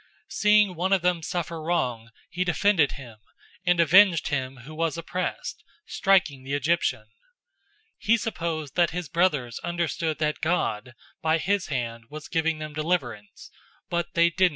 007:024 Seeing one of them suffer wrong, he defended him, and avenged him who was oppressed, striking the Egyptian. 007:025 He supposed that his brothers understood that God, by his hand, was giving them deliverance; but they didn't understand.